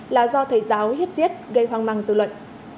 là do thầy giáo hiếp giết gây hoang mang dư luận